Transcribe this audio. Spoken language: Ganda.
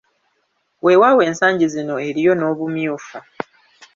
Weewaawo ensangi zino eriyo n’obumyufu.